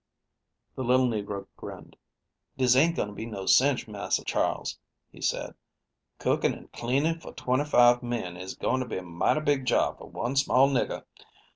The little negro grinned. "Dis ain't going to be no cinch, Massa Charles," he said. "Cooking and cleaning up for twenty five men is goin' to be a mighty big job for one small nigger.